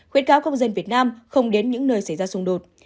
khuyến cáo công dân việt nam không đến những nơi xảy ra xung đột